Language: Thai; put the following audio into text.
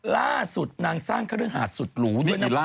ล่าสุดนางสร้างเข้ารึงหาดสุดหลู